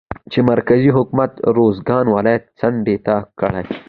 چې مرکزي حکومت روزګان ولايت څنډې ته کړى